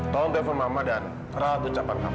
tolong telepon mama dan rawat ucapan kamu